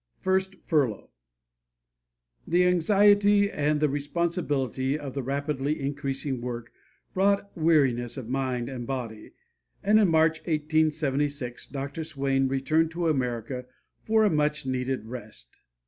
FIRST FURLOUGH The anxiety and the responsibility of the rapidly increasing work brought weariness of mind and body, and in March, 1876, Dr. Swain returned to America for a much needed rest.